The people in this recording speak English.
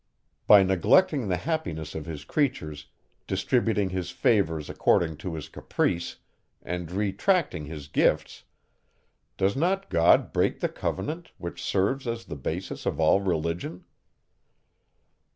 By neglecting the happiness of his creatures, distributing his favours according to his caprice, and retracting his gifts, does not God break the covenant, which serves as the basis of all religion?